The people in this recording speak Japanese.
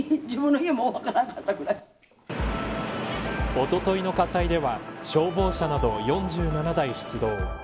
おとといの火災では消防車など４７台出動。